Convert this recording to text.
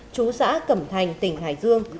trú xã cẩm thành tỉnh hải dương